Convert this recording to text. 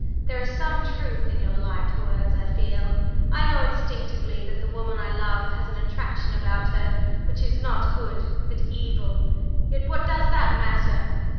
There is some truth in your light words; I feel, I know instinctively, that the woman I love has an attraction about her which is not good, but evil; yet what does that matter?